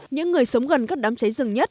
những người sống gần các đám cháy rừng nhất